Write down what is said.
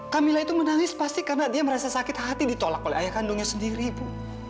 camilla itu menangis pasti karena dia merasa sakit hati ditolak oleh ayah kandungnya sendiri bu